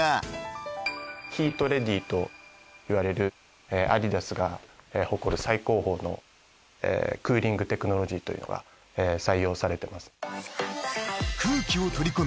ＨＥＡＴ．ＲＤＹといわれるアディダスが誇る最高峰のクーリングテクノロジーというのが採用されてます。